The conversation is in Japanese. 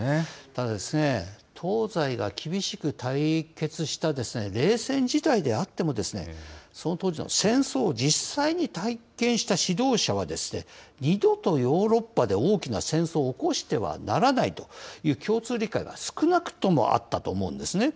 ただ、東西が厳しく対決した冷戦時代であっても、その当時の戦争を実際に体験した指導者は、二度とヨーロッパで大きな戦争を起こしてはならないという共通理解が少なくともあったと思うんですね。